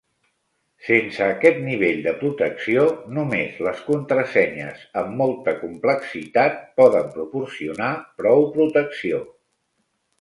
Sense aquest nivell de protecció, només les contrasenyes amb molta complexitat poden proporcionar prou protecció.